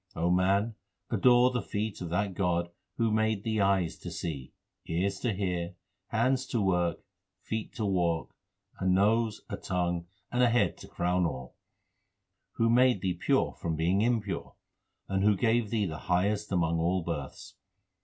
O man, adore the feet of that God Who made thee eyes to see, ears to hear, Hands to work, feet to walk, A nose, a tongue, and a head to crown 1 all ; Who made thee pure from being impure, And who gave thee the highest among all births.